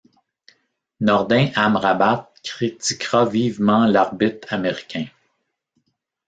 Nordin Amrabat critiquera vivement l'arbitre américain.